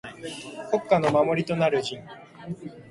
国家の守りとなる臣。